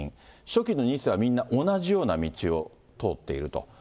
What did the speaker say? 初期の２世はみんな同じような道を通っていると。